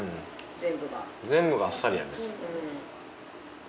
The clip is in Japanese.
全部があっさりやね。